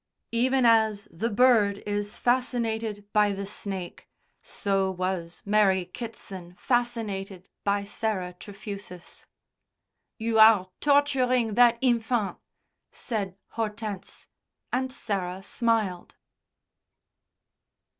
Even as the bird is fascinated by the snake, so was Mary Kitson fascinated by Sarah Trefusis. "You are torturing that infant," said Hortense, and Sarah smiled.